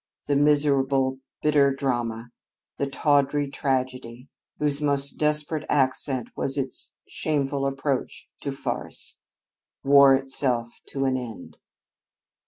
The miserable, bitter drama the tawdry tragedy, whose most desperate accent was its shameful approach to farce wore itself to an end.